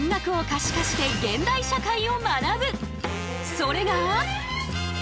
それが。